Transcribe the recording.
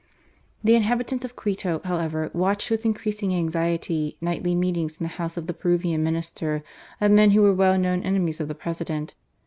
The inhabitants of Quito, however, watched with increasing anxiety nightly meetings in the house of the Peruvian Minister of men who were well known enemies of the President.